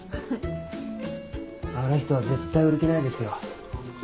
あの人は絶対売る気ないですよ。